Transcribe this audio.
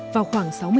vào khoảng sáu mươi năm